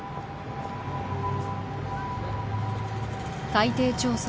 海底調査